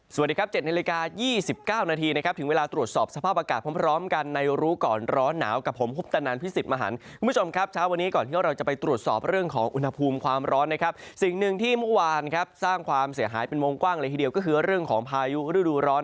สวัสดีครับ๗นาฬิกา๒๙นาทีนะครับถึงเวลาตรวจสอบสภาพอากาศพร้อมกันในรู้ก่อนร้อนหนาวกับผมคุปตนันพิสิทธิ์มหันคุณผู้ชมครับเช้าวันนี้ก่อนที่เราจะไปตรวจสอบเรื่องของอุณหภูมิความร้อนนะครับสิ่งหนึ่งที่เมื่อวานครับสร้างความเสียหายเป็นวงกว้างเลยทีเดียวก็คือเรื่องของพายุฤดูร้อน